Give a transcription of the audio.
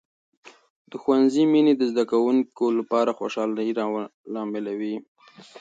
د ښوونځي مینې د زده کوونکو لپاره خوشحالي راملوي.